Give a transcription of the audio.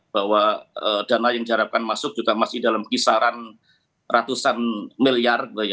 bahwa dana yang diharapkan masuk juga masih dalam kisaran ratusan miliar